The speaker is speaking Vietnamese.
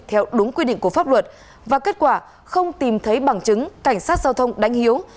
theo đúng quy định của pháp luật và kết quả không tìm thấy bằng chứng cảnh sát giao thông đánh hiếu